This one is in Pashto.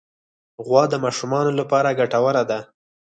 غوا د ماشومانو لپاره ګټوره ده.